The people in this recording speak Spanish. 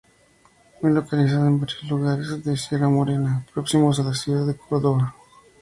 Muy localizado en varios lugares de Sierra Morena, próximos a la ciudad de Córdoba.